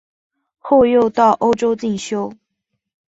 后又到欧洲进修。